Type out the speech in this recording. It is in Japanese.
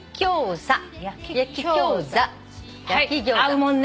合うもんね。